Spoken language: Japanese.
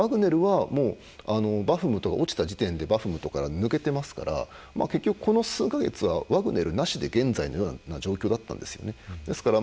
ワグネルはバフムトが落ちた時点でバフムトから抜けていますから結局、この数か月はワグネルなしで現在のような状況だったんですね。